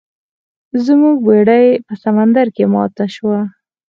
زموږ بیړۍ په سمندر کې ماته شوه.